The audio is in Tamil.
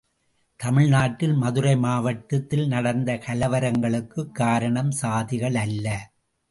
தமிழ் நாட்டில் மதுரை மாவட்டத்தில் நடந்த கலவரங்களுக்குக் காரணம் சாதிகள் அல்ல!